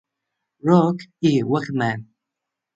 Rock" y "Hawkman".